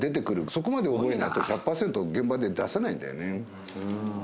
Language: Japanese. そこまで覚えないと１００％現場で出せないんだよね